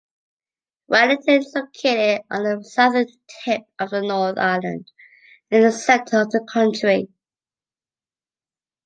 Wellington is located on the southern tip of the North Island in the center of the country.